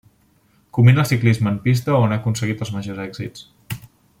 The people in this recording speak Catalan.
Combina el ciclisme en pista on ha aconseguit els majors èxits.